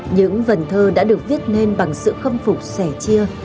những vần thơ đã được viết nên bằng sự khâm phục sẻ chia